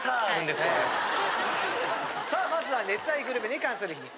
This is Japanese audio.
さあまずは熱愛グルメに関する秘密。